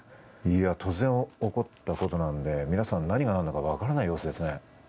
突然、起こったことなので皆さん何が何だか分からない様子ですね。